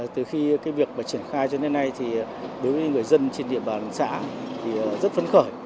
từ khi cái việc mà triển khai cho đến nay thì đối với người dân trên địa bàn xã thì rất phấn khởi